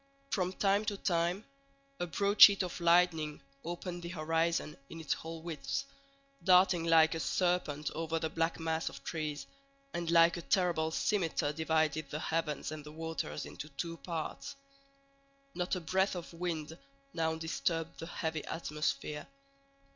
From time to time a broad sheet of lightning opened the horizon in its whole width, darted like a serpent over the black mass of trees, and like a terrible scimitar divided the heavens and the waters into two parts. Not a breath of wind now disturbed the heavy atmosphere.